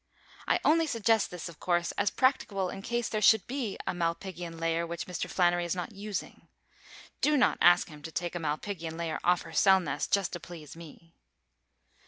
I only suggest this, of course, as practicable in case there should be a malpighian layer which Mr. Flannery is not using. Do not ask him to take a malpighian layer off her cell nest just to please me.